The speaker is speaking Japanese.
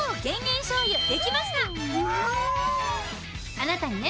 あなたにね